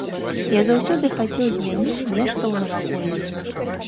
Я заўсёды хацеў змяніць нешта ў наваколлі.